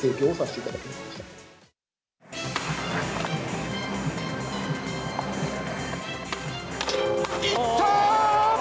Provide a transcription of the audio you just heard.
いった！